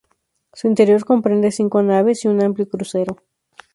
Su interior comprende cinco naves y un amplio crucero.